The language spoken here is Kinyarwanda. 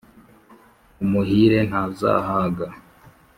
umuhire ntazahaga